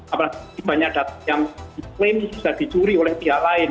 apalagi banyak data yang diklaim sudah dicuri oleh pihak lain